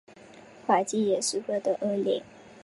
环境也十分的恶劣